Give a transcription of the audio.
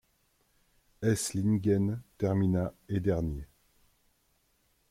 Eislingen termina et dernier.